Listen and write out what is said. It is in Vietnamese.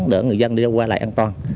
để người dân đi qua lại an toàn